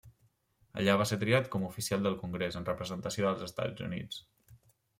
Allà va ser triat com a oficial del congrés, en representació dels Estats Units.